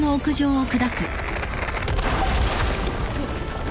あっ。